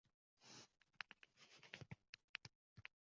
Tilga nisbatan shunchalik ham e’tiborsiz.